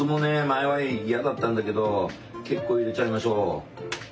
前は嫌だったんだけど結構入れちゃいましょう。